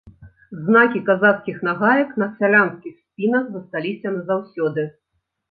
Знакі казацкіх нагаек на сялянскіх спінах засталіся назаўсёды.